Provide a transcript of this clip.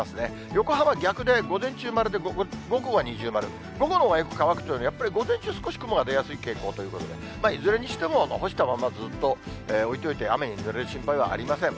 横浜逆で、午前中丸で、午後は二重丸、午後のほうがよく乾くというのは、やっぱり午前中、少し雲が出やすい傾向ということで、いずれにしても干したままずっと置いといて、雨にぬれる心配はありません。